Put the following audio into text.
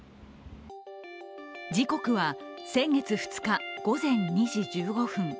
時刻は先月２日午前２時１５分。